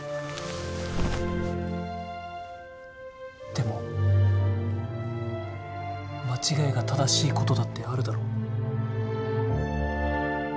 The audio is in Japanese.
でも間違いが正しいことだってあるだろ？